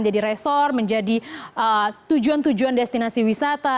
jadi resor menjadi tujuan tujuan destinasi wisata